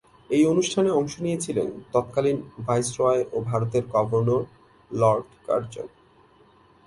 এই অনুষ্ঠানে অংশ নিয়েছিলেন তৎকালীন ভাইসরয় ও ভারতের গভর্নর লর্ড কার্জন।